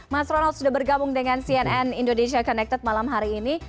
mas ronald sudah bergabung dengan cnn indonesia connected malam hari ini